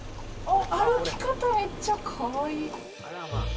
歩き方、めっちゃかわいい。